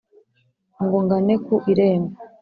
Ngo ngane ku irembo